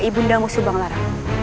ibu namo subangara